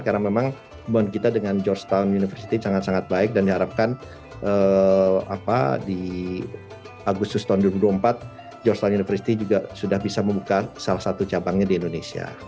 karena memang kembali kita dengan georgetown university sangat sangat baik dan diharapkan di agustus tahun dua ribu dua puluh empat georgetown university juga sudah bisa membuka salah satu cabangnya di indonesia